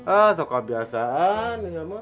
ah suka biasa nih ya mah